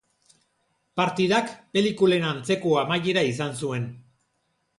Partidak pelikulen antzeko amaiera izan zuen.